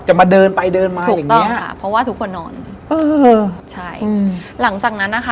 จะมาเดินไปเดินมาอย่างนี้ถูกต้องค่ะเพราะว่าทุกคนนอนใช่หลังจากนั้นนะคะ